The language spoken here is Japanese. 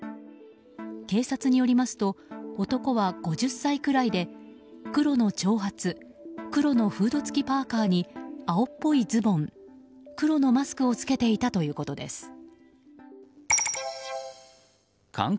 警察によりますと男は５０歳くらいで黒の長髪黒のフード付きパーカに青っぽいズボン黒のマスクを着けていたということです。